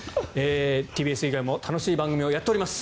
ＴＢＳ以外も楽しい番組をやっております